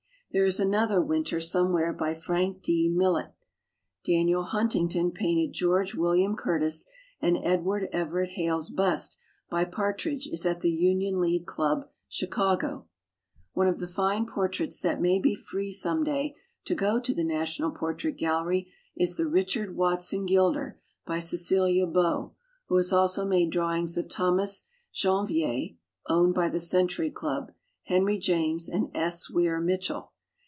There is another Winter somewhere by Frank D. Millet. Daniel Hunting ton painted George William Curtis and Edward Everett Hale's bust by Part ridge is at the Union League Club, Chicago. One of the fine portraits that may be free some day to go to the National Portrait Gallery is the Richard Watson Gilder by Ce cilia Beaux, who has also made draw ings of Thomas Janvier (owned by the Century Club), Henry James, and S. Weir Mitchell.